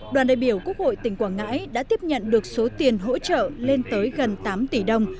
đoàn đại biểu quốc hội tỉnh quảng ngãi đã tiếp nhận được số tiền hỗ trợ lên tới gần tám tỷ đồng